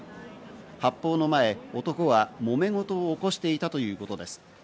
発砲の前、男はもめ事を起こしていたということです。